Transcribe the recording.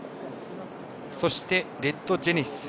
そして、レッドジェネシス。